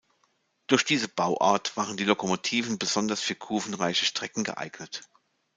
Durch diese Bauart waren die Lokomotiven besonders für kurvenreiche Strecken geeignet.